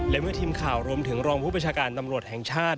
และเมื่อทีมข่าวรวมถึงรองผู้ประชาการตำรวจแห่งชาติ